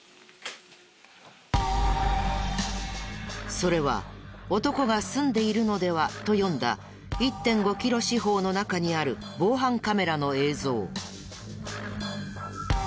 それは男が住んでいるのではと読んだ１．５キロ四方の中にある防犯カメラの映像。